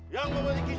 jangan sombong kamu ya